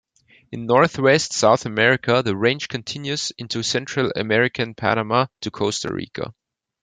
In northwest South America the range continues into Central American Panama to Costa Rica.